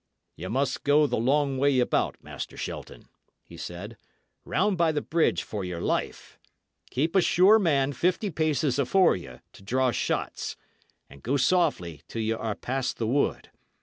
"Ye must go the long way about, Master Shelton," he said; "round by the bridge, for your life! Keep a sure man fifty paces afore you, to draw shots; and go softly till y' are past the wood.